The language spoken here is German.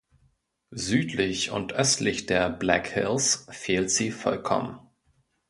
Südlich und östlich der Black Hills fehlt sie vollkommen.